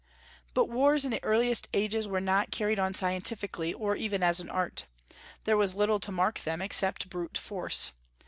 But wars in the earliest ages were not carried on scientifically, or even as an art. There was little to mark them except brute force.